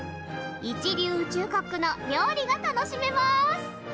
一流宇宙コックの料理が楽しめます！